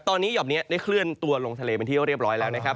ตอนนี้ห่อมนี้ได้เคลื่อนตัวลงทะเลเป็นที่เรียบร้อยแล้วนะครับ